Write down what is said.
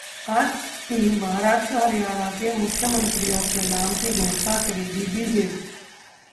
आज ही महाराष्ट्र-हरियाणा के मुख्यमंत्रियों के नाम की घोषणा करेगी बीजेपी